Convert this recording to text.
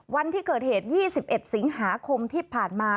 วันที่เกิดเหตุ๒๑สิงหาคมที่ผ่านมา